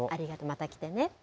またきてね。